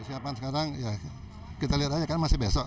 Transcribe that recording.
kesiapan sekarang kita lihat aja kan masih besok